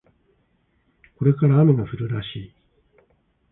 これから雨が降るらしい